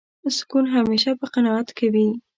سکون همېشه په قناعت کې وي.